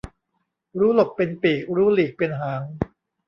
รู้หลบเป็นปีก รู้หลีกเป็นหาง